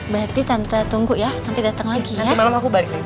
berarti tante tunggu ya nanti dateng lagi ya